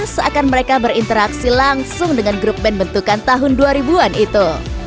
seakan mereka berinteraksi langsung dengan grup band bentukan tahun dua ribu an itu